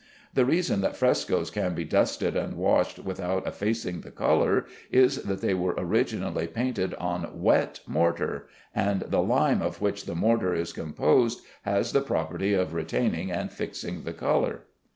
The reason that frescoes can be dusted and washed without effacing the color, is that they were originally painted on wet mortar, and the lime of which the mortar is composed has the property of retaining and fixing the color.